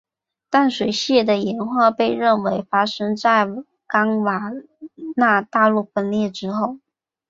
淡水蟹的演化被认为发生在冈瓦纳大陆分裂之后。